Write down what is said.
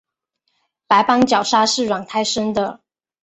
白斑角鲨是卵胎生的。